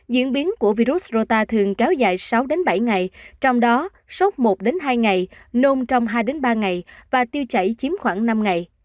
diễn biến của virus rota thường kéo dài sáu bảy ngày trong đó sốt một hai ngày nôn trong hai ba ngày và tiêu chảy chiếm khoảng năm ngày